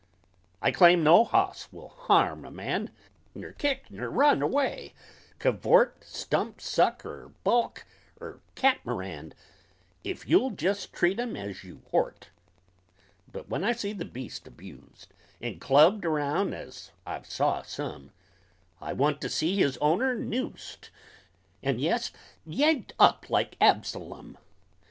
I claim no hoss will harm a man, Ner kick, ner run away, cavort, Stump suck, er balk, er "catamaran," Ef you'll jest treat him as you ort. But when I see the beast abused, And clubbed around as I've saw some, I want to see his owner noosed, And jest yanked up like Absolum!